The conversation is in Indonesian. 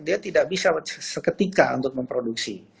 dia tidak bisa seketika untuk memproduksi